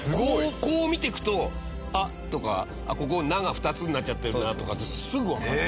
こう見ていくとあっとかここ「な」が２つになっちゃってるなとかってすぐわかる。